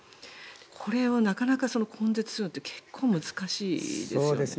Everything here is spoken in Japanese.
これはなかなか根絶するのは結構難しいですよね。